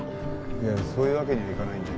いやそういうわけにはいかないんで。